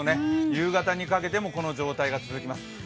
夕方にかけてもこの状態が続きます。